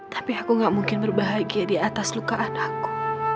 tapi aku gak mungkin berbahagia diatas lukaan aku